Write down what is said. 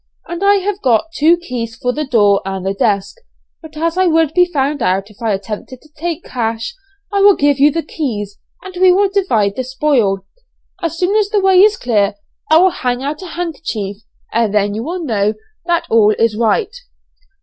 I have got two keys for the door and the desk, but as I would be found out if I attempted to take the cash, I will give you the keys, and we will divide the spoil. As soon as the way is clear I will hang out a handkerchief and then you will know that all is right.'